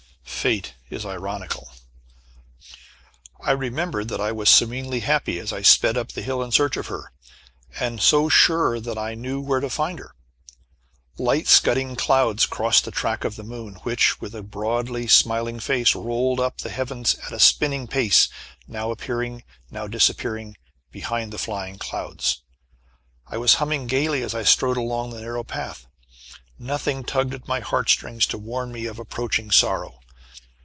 Fate is ironical. I remembered that I was serenely happy as I sped up the hill in search of her, and so sure that I knew where to find her. Light scudding clouds crossed the track of the moon, which, with a broadly smiling face, rolled up the heavens at a spinning pace, now appearing, now disappearing behind the flying clouds. I was humming gaily as I strode along the narrow path. Nothing tugged at my heart strings to warn me of approaching sorrow.